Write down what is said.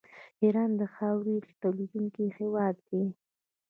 ایران د خاویار تولیدونکی هیواد دی.